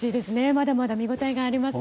まだまだ見応えがありますね。